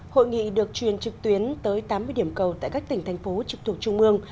hội nghị được truyền trực tuyến tới tám mươi điểm cầu tại các tỉnh thành phố trực thuộc trung ương